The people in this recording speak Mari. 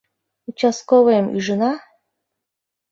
Участковыйым ӱжына?